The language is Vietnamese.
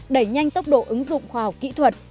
đẩy nhanh tốc độ ứng dụng khoa học kỹ thuật